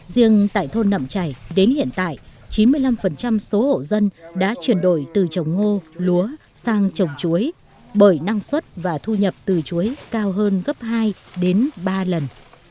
riêng tại thôn nậm chảy đến hiện tại chín mươi năm số hộ dân đã chuyển đổi từ trồng ngô lúa sang trồng chuối bởi năng suất và thu nhập từ chuối cao hơn gấp hai đến ba lần